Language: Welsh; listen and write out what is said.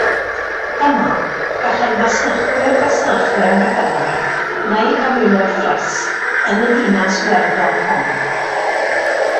Yma gallai masnachwyr fasnachu am geffylau neu gamelod ffres yn y ddinas werddon hon.